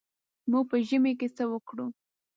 موږ په ژمي کې څه وکړو.